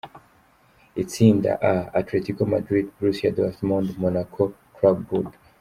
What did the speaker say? Itsinda A: Atletico Madrid, Borussia Dortmund, Monaco, Club Brugge.